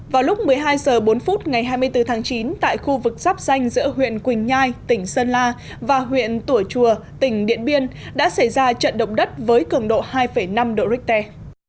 vào lúc một mươi hai h bốn ngày hai mươi bốn tháng chín tại khu vực giáp danh giữa huyện quỳnh nhai tỉnh sơn la và huyện tùa chùa tỉnh điện biên đã xảy ra trận động đất với cường độ hai năm độ richter